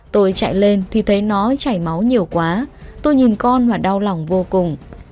tôi chạy lên thì thấy nó chảy máu nhiều quá tôi nhìn con và đau lòng vô cùng